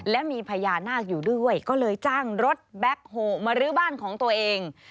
และมีพญานาคอยู่ด้วยก็เลยจ้างรถแบ็คโฮมาลื้อบ้านของตัวเอง